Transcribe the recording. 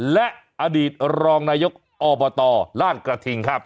และอดีตรองนายกอบตลาดกระทิงครับ